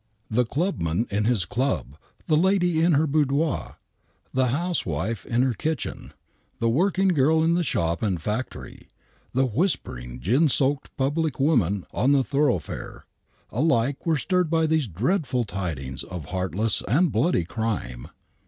The clubman in his club, the lady in her boudoir, the house fwife in her kitchen, the workgirl in the shop and factory, the whispering, gin soaked public woman on the thoroughfare, alike were stirred by these dreadful tidings of heartless and bloody crime.